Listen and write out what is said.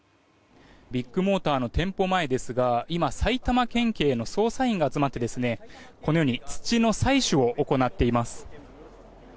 ビッグモーターの店舗前ですが今、埼玉県警の捜査員が集まってこのように土の採取を行っています。